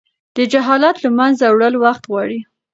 د جهالت له منځه وړل وخت غواړي.